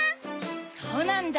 そうなんだ！